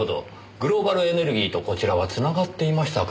グローバルエネルギーとこちらはつながっていましたか。